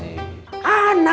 kita harus memiliki kekuatan